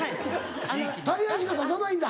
大安しか出さないんだ？